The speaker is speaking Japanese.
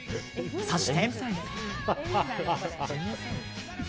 そして。